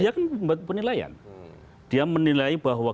dia kan penilaian dia menilai bahwa